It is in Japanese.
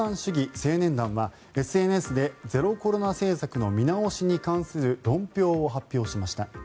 青年団は、ＳＮＳでゼロコロナ政策の見直しに関する論評を発表しました。